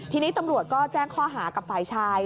ทีนี้ตำรวจก็แจ้งข้อหากับฝ่ายชาย